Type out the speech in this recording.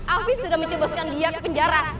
afis sudah mencoboskan dia ke penjara